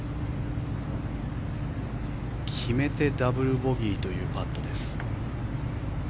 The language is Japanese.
決めてダブルボギーというパットです。